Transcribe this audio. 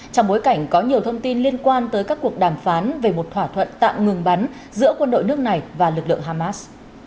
trong bối cảnh có nhiều thông tin liên quan tới các cuộc đàm phán về một thỏa thuận tạm ngừng bắn giữa quân đội nước này và lực lượng hamas